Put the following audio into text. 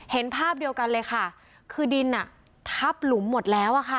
เห็นภาพเดียวกันเลยค่ะคือดินอ่ะทับหลุมหมดแล้วอะค่ะ